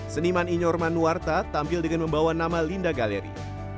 seniman inyorman nuwarta tampil dengan membawa nama linda galeri